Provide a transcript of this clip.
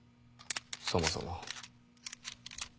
そもそも。